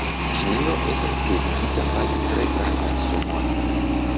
Ĉinio estas devigita pagi tre grandan sumon.